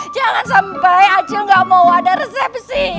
jangan sampai aji gak mau ada resepsi